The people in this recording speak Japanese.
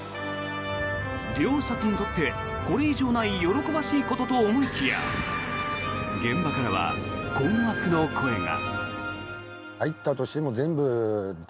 漁師たちにとって、これ以上ない喜ばしいことと思いきや現場からは困惑の声が。